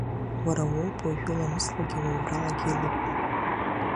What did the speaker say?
Уара уоуп уажәы ламыслагьы уаҩралагьы илаҟәу.